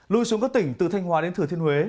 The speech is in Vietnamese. lui xuống các tỉnh từ thanh hòa đến thừa thiên huế